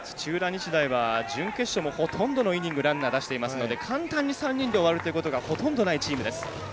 日大は準決勝もほとんどのイニングランナーを出していますので簡単に３人で終わるということがほとんどないチームです。